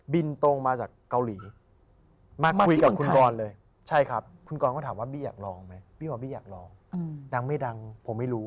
บินตรงมาจากเกาหลี